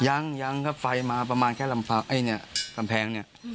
ยังยังครับไฟมาประมาณแค่ลำแพงเนี่ย